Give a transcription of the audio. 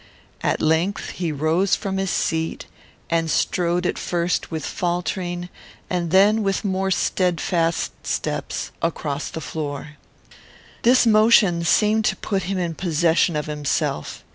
At length he rose from his seat, and strode at first with faltering, and then with more steadfast steps, across the floor. This motion seemed to put him in possession of himself.